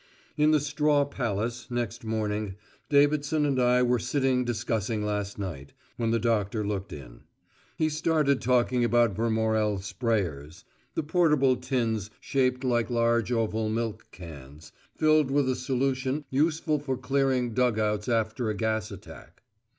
In the Straw Palace next morning Davidson and I were sitting discussing last night, when the doctor looked in. He started talking about Vermorel sprayers (the portable tins shaped like large oval milk cans, filled with a solution useful for clearing dug outs after a gas attack).